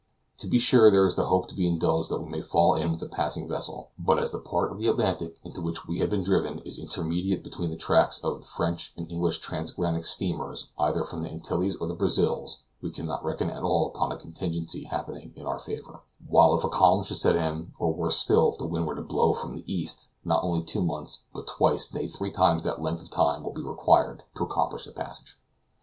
To be sure there is the hope to be indulged that we may fall in with a passing vessel, but as the part of the Atlantic into which we have been driven is intermediate between the tracks of the French and English transatlantic steamers either from the Antilles or the Brazils, we cannot reckon at all upon a contingency happening in our favor; while if a calm should set in, or worse still, if the wind were to blow from the east, not only two months, but twice, nay, three times that length of time will be required to accomplish the passage.